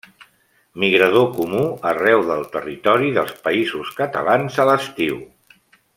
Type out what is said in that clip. Migrador comú arreu del territori dels Països Catalans a l'estiu.